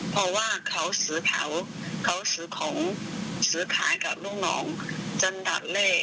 เพราะว่าเขาสืบของสืบขายกับลูกน้องจนดัดเล่